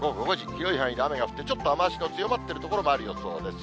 広い範囲で雨が降って、ちょっと雨足の強まっている所もある予想です。